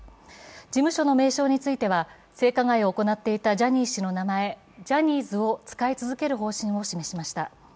事務所の名称については性加害を行っていたジャニー氏の名前、ジャニーズを使い続ける方針を示しました。